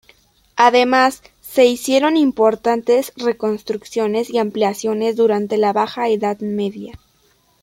Además, se hicieron importantes reconstrucciones y ampliaciones durante la Baja Edad Media.